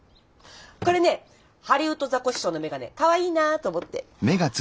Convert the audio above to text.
これねハリウッドザコシショウのメガネかわいいなと思って。